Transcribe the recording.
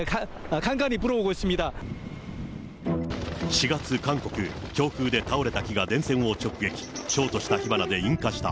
４月、韓国、強風で倒れた木が電線を直撃、ショートした火花で引火した。